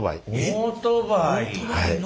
オートバイの。